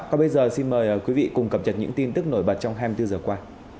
còn bây giờ xin mời quý vị cùng cập nhật những tin tức nổi bật trong hai mươi bốn giờ qua